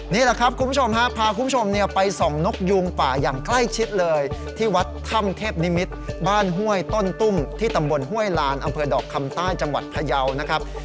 นี่แหละครับคุณผู้ชมฮะพาคุณผู้ชมไปส่องนกยูงป่าอย่างใกล้ชิดเลยที่วัดถ้ำเทพนิมิตรบ้านห้วยต้นตุ้มที่ตำบลห้วยลานอำเภอดอกคำใต้จังหวัดพยาวนะครับ